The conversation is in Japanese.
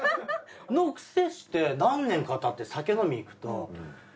のくせして何年かたって酒飲み行くと。